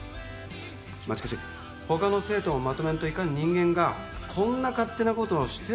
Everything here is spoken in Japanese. まあしかし他の生徒をまとめんといかん人間がこんな勝手なことをしては。